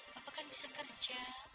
bapak kan bisa kerja